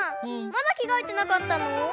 まだきがえてなかったの？